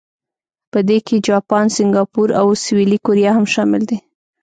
په دې کې جاپان، سنګاپور او سویلي کوریا هم شامل دي.